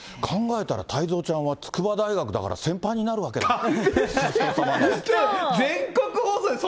考えたら太蔵ちゃんは筑波大学だから先輩になるわけだ。